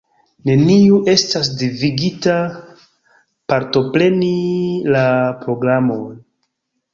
Neniu estas devigita partopreni la programon.